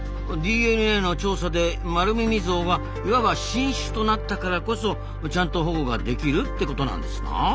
ＤＮＡの調査でマルミミゾウがいわば新種となったからこそちゃんと保護ができるってことなんですな。